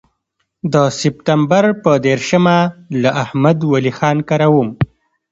د سپټمبر پر دېرشمه له احمد ولي خان کره وم.